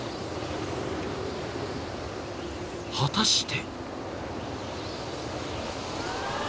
［果たして］